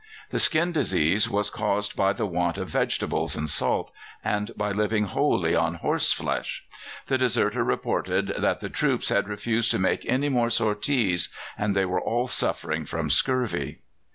The skin disease was caused by the want of vegetables and salt, and by living wholly on horse flesh. The deserter reported that the troops had refused to make any more sorties, and they were all suffering from scurvy.